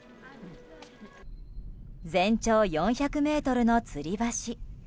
全長４００ｍのつり橋。